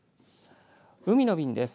海の便です。